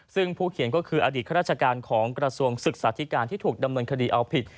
ซึ่งผู้เขียนก็คืออดีตข้าราชการของกระทรวงศึกษาธิการที่ถูกดำเนินคดีเอาผิด